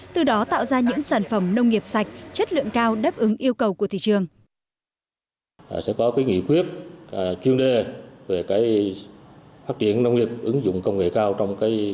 từ đó tạo ra những sản phẩm nông nghiệp sạch chất lượng cao đáp ứng yêu cầu của thị trường